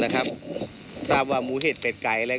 ทราบว่าหมูเห็ดแปดไก่เลย